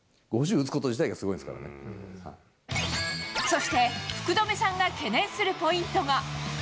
打つことそして、福留さんが懸念するポイントが。